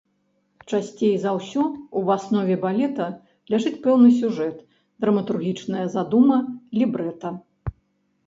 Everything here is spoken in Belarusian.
Часцей за ўсё ў аснове балета ляжыць пэўны сюжэт, драматургічная задума, лібрэта.